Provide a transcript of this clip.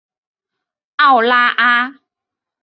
奥拉阿。